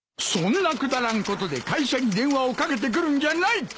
そんなくだらんことで会社に電話をかけてくるんじゃない！